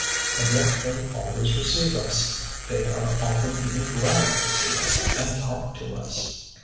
And yet they always receive us; they are often even glad to see us and talk to us.